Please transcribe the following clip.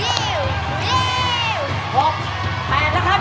อีกจานสุดท้ายครับ